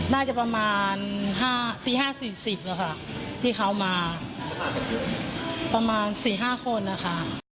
น่าจะประมาณตี๕๔๐ค่ะที่เขามาประมาณ๔๕คนนะคะ